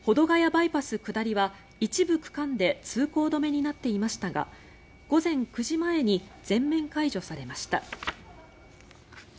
バイパス下りは一部区間で通行止めになっていましたが午前９時前に全面解除されました。